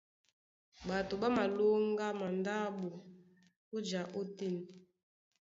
Ɓato ɓá malóŋgá mandáɓo ó ja ótên.